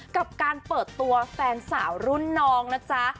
กับการเปิดตัวแฟนสาวรุ่นน้องนะจ๊ะ